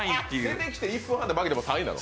出てきて１分半で負けても３位なの？